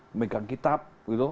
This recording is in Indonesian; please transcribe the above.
memegang kitab gitu